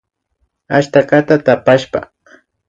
Achskata takashpa